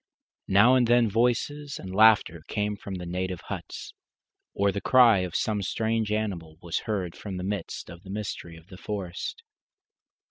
Now and then voices and laughter came from the native huts, or the cry of some strange animal was heard from the midst of the mystery of the forest.